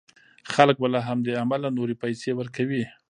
خلک به له همدې امله نورې پيسې ورکوي.